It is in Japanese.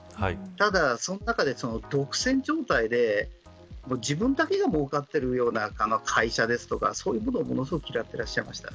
ただ、その中で独占状態で自分だけが儲かっているような会社ですとかそういうものを、ものすごく嫌っていらっしゃいました。